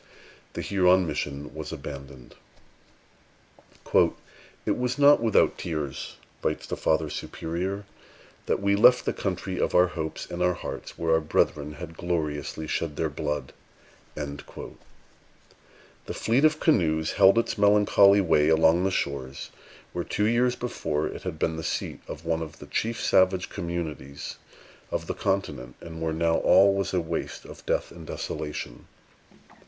The Huron mission was abandoned. "It was not without tears," writes the Father Superior, "that we left the country of our hopes and our hearts, where our brethren had gloriously shed their blood." The fleet of canoes held its melancholy way along the shores where two years before had been the seat of one of the chief savage communities of the continent, and where now all was a waste of death and desolation.